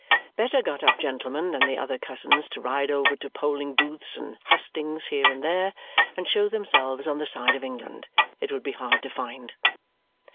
Better got up gentlemen than the other cousins to ride over to polling booths and hustings here and there, and show themselves on the side of England, it would be hard to find.